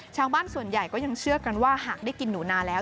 ชาวบ้านส่วนใหญ่ก็ยังเชื่อกันว่าหากได้กินหนูนาแล้ว